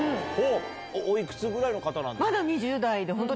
お幾つぐらいの方なんですか？